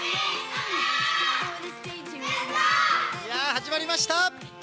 始まりました。